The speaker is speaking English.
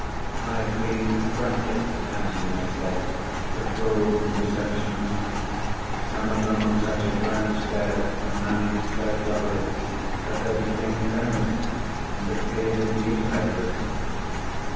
I had been apprenticed, as you may say, to frauds and deceptions—some of them on such a grand scale, and managed so cleverly, that they became famous, and appeared in the newspapers.